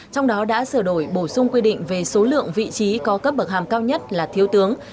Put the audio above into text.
trong đó đã sửa đổi bổ sung quy định về số lượng vị trí có cấp bậc hàm cao nhất là thiếu tướng